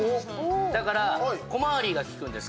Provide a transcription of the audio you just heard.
だから、小回りが利くんです。